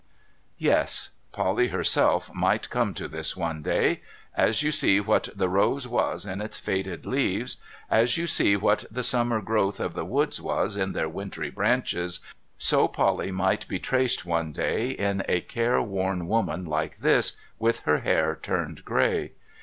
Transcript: Yes. Polly herself might come to this, one day. As you see what the rose was in its faded leaves ; as you see what the summer growth of the woods was in their wintry branches ; so Polly might be traced, one day, in a careworn woman like this, with her hair turned grey.